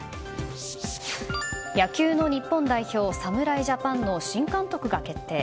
野球の日本代表、侍ジャパンの新監督が決定。